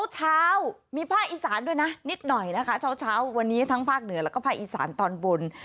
เช้ามีภาคอีสานด้วยนะนิดหน่อยนะคะเช้าวันนี้ทั้งภาคเหนือแล้วก็ภาคอีสานตอนบน